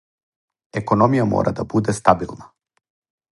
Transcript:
Економија мора да буде стабилна.